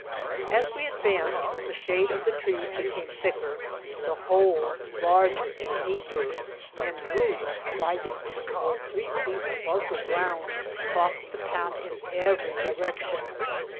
As we advanced, the shade of the trees be came thicker, the holes larger and deeper, and roots, rising two or three feet above the ground, crossed the path in every direction.